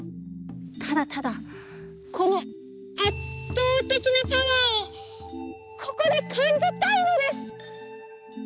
ただただこの圧倒的なパワーをここで感じたいのです！